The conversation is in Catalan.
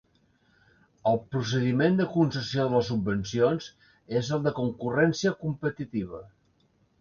El procediment de concessió de les subvencions és el de concurrència competitiva.